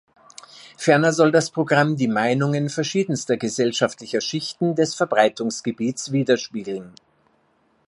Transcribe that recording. Ferner soll das Programm die Meinungen verschiedenster gesellschaftlicher Schichten des Verbreitungsgebietes widerspiegeln.